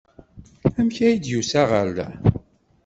Amek ay d-yusa ɣer da?